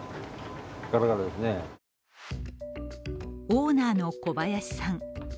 オーナーの小林さん。